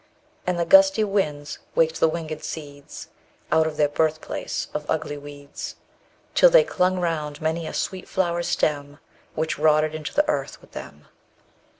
And the gusty winds waked the winged seeds, Out of their birthplace of ugly weeds, Till they clung round many a sweet flower's stem, _40 Which rotted into the earth with them.